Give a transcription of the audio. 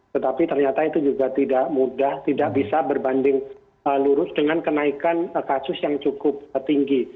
tetapi ternyata itu juga tidak mudah tidak bisa berbanding lurus dengan kenaikan kasus yang cukup tinggi